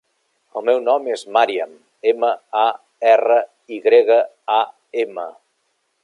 El meu nom és Maryam: ema, a, erra, i grega, a, ema.